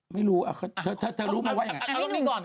ไม่รู้ถ้ารู้มันว่าอย่างไร